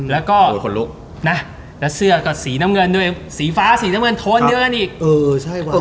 แล้วเสื้อก็สีสีฟ้าถนั่งเงินหนึ่ง